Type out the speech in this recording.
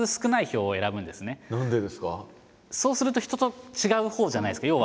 そうすると人と違うほうじゃないですか。